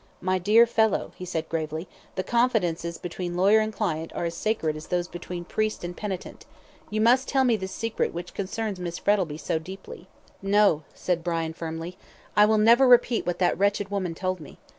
"My dear fellow," he said, gravely, "the confidences between lawyer and client are as sacred as those between priest and penitent. You must tell me this secret which concerns Miss Frettlby so deeply." "No," said Brian, firmly, "I will never repeat what that wretched woman told me.